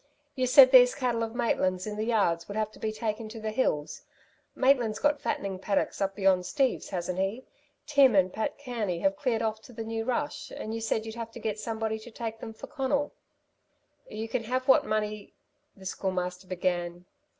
You said these cattle of Maitland's in the yards would have to be taken to the hills. Maitland's got fattening paddocks up beyond Steve's, hasn't he? Tim and Pat Kearney have cleared off to the new rush, and you said you'd have to get somebody to take them for Conal." "You can have what money " the Schoolmaster began.